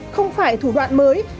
không phải thủ đoạn mới